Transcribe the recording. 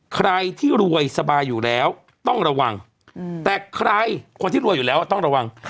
ใครที่รวยสบายอยู่แล้วต้องระวังแต่ใครคนที่รวยอยู่แล้วต้องระวัง